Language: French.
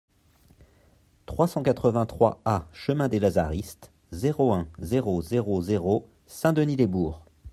trois cent quatre-vingt-trois A chemin des Lazaristes, zéro un, zéro zéro zéro Saint-Denis-lès-Bourg